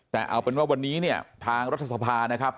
แต่เอาเป็นว่าวันนี้เนี่ยทางรัฐสภานะครับ